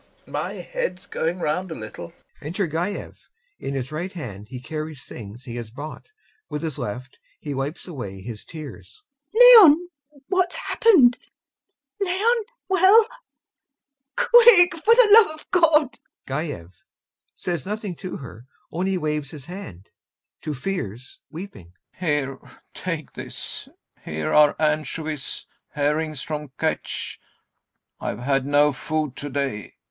My head's going round a little. [Enter GAEV; in his right hand he carries things he has bought, with his left he wipes away his tears.] LUBOV. Leon, what's happened? Leon, well? [Impatiently, in tears] Quick, for the love of God.... GAEV. [Says nothing to her, only waves his hand; to FIERS, weeping] Here, take this.... Here are anchovies, herrings from Kertch.... I've had no food to day....